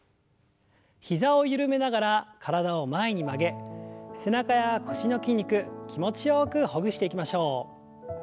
膝を緩めながら体を前に曲げ背中や腰の筋肉気持ちよくほぐしていきましょう。